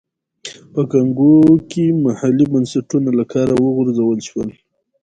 په کانګو کې محلي بنسټونه له کاره وغورځول شول.